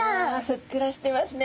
ふっくらしてますね。